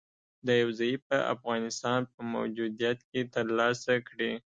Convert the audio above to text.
د یو ضعیفه افغانستان په موجودیت کې تر لاسه کړي